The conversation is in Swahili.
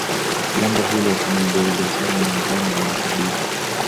jambo hilo tumelielezea mwanzani mwa hadithi